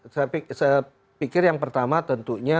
saya pikir yang pertama tentunya